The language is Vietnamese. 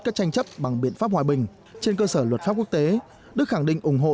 các tranh chấp bằng biện pháp hòa bình trên cơ sở luật pháp quốc tế đức khẳng định ủng hộ